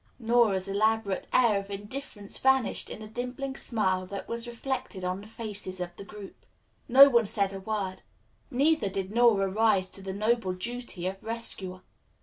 Nora's elaborate air of indifference vanished in a dimpling smile that was reflected on the faces of the group. No one said a word; neither did Nora rise to the noble duty of rescuer.